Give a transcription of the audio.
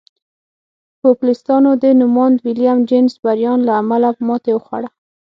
پوپلستانو د نوماند ویلیم جیننګز بریان له امله ماتې وخوړه.